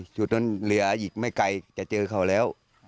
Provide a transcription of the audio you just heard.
จุดนั้นเหลืออีกไม่ไกลจะเจอเขาแล้ว